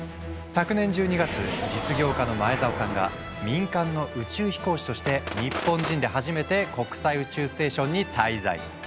昨年１２月実業家の前澤さんが民間の宇宙飛行士として日本人で初めて国際宇宙ステーションに滞在。